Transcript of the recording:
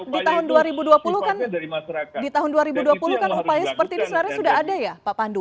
di tahun dua ribu dua puluh kan upaya seperti ini sebenarnya sudah ada ya pak pandu